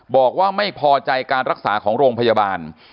บอกว่าไม่พอใจการรักษาของโรงพยาบาล